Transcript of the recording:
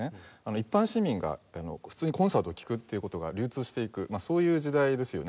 一般市民が普通にコンサートを聴くっていう事が流通していくそういう時代ですよね。